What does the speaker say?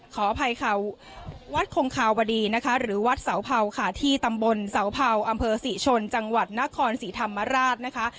ขออภัยค่ะวัดคงคาวดีนะคะหรือวัดเสาเผาค่ะที่ตำบลเสาเผาอำเภอศรีชนจังหวัดนครศรีธรรมราชนะคะ